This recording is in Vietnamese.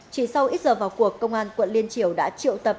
chỉ sau ít giờ vào cuộc công an quận liên triều đã triệu tập